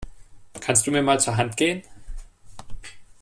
Kannst du mir mal zur Hand gehen?